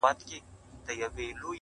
هري خواته چي مو مخ به سو خپل کور وو!!